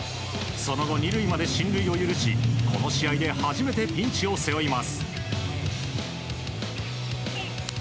その後、２塁まで進塁を許しこの試合で初めてピンチを背負います。